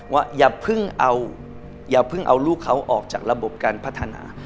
ว่าอย่าเพิ่งเอาลูกเขาออกจากระบบการพัฒนา